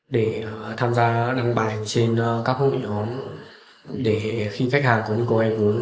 để tham gia đăng bài trên các hội nhóm để khi khách hàng có nhu cầu vay vốn